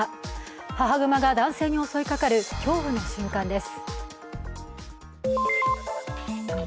母熊が男性に襲いかかる恐怖の瞬間です。